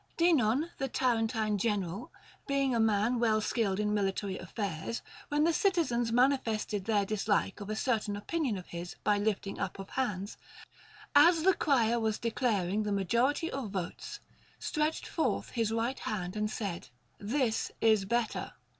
Dinon the Tarentine general, being a man well skilled in military affairs, when the citizens manifested their dislike of a certain opinion of his by lifting up of hands, as the crier was declaring the majority of votes, stretched forth his right hand and said, This is better.